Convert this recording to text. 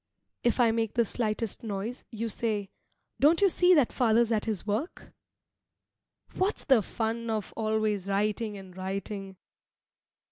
If I make the slightest noise, you say, "Don't you see that father's at his work?" What's the fun of always writing and writing?